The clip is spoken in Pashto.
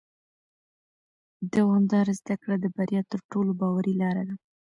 دوامداره زده کړه د بریا تر ټولو باوري لاره ده